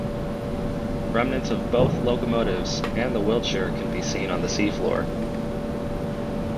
Remnants of both locomotives, and the Wiltshire can be seen on the sea floor.